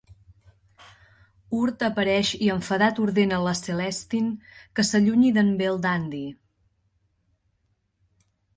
Urd apareix i enfadat ordena la Celestin que s'allunyi d'en Belldandy.